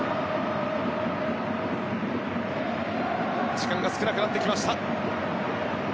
時間が少なくなってきました。